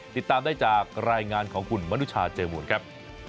ติดตามได้จากรายงานของคุณมนุชาเจอมูลครับ